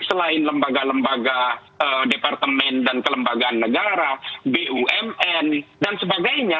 selain lembaga lembaga departemen dan kelembagaan negara bumn dan sebagainya